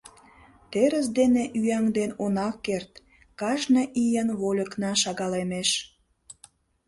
Терыс дене ӱяҥден она керт: кажне ийын вольыкна шагалемеш.